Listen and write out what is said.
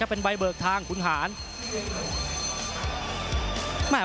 เป็นใบเบิกทางขุนหาร